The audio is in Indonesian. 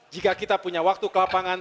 jika kita punya waktu ke lapangan